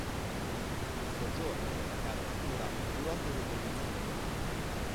Il soggiorno nella casa di cura durò per un brevissimo periodo.